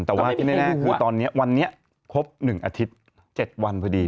แต่ว่าพี่แนน่ะคือวันครบ๑อาทิตย์๗วันพอดี